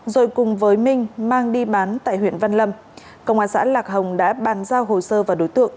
rồi cùng với minh mang đi bán tại huyện văn lâm công an xã lạc hồng đã bàn giao hồ sơ và đối tượng